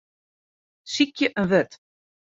Sykje in wurd.